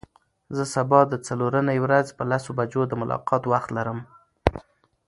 زه سبا د څلرنۍ ورځ په لسو بجو د ملاقات وخت لرم.